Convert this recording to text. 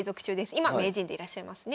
今名人でいらっしゃいますね。